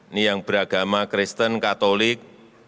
ini yang beragama kristen katolik